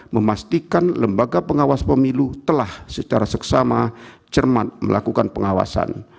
memastikan lembaga pengawas pemilu telah secara seksama cermat melakukan pengawasan